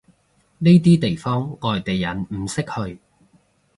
呢啲地方外地人唔會識去